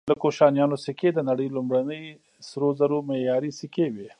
د کوشانیانو سکې د نړۍ لومړني سرو زرو معیاري سکې وې